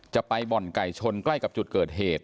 จะไปบ่อนไก่ชนใกล้กับจุดเกิดเหตุ